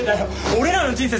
俺らの人生